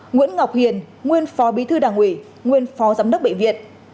nguyễn ngọc hiền nguyên phó bí thư đảng ủy nguyên phó giám đốc bệnh viện